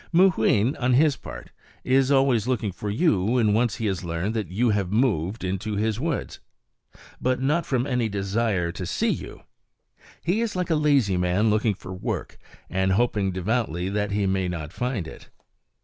Mooween, on his part, is always looking for you when once he has learned that you have moved into his woods. But not from any desire to see you! He is like a lazy man looking for work, and hoping devoutly that he may not find it.